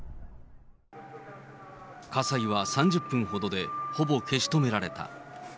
火災は３０分ほどでほぼ消し止められた。